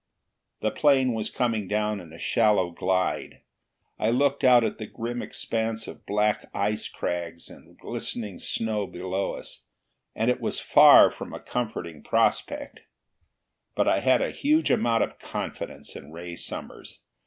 The plane was coming down in a shallow glide. I looked out at the grim expanse of black ice crags and glistening snow below us, and it was far from a comforting prospect. But I had a huge amount of confidence in Ray Summers.